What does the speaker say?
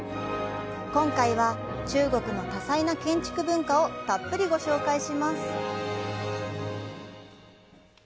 今回は、中国の多彩な建築文化をたっぷりご紹介します。